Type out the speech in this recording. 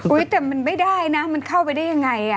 แต่มันไม่ได้นะมันเข้าไปได้ยังไง